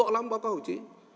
rõ lắm báo cáo hồ chí